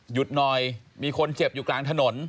หน่อยมีคนเจ็บอยู่กลางถนน